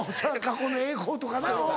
過去の栄光とかな。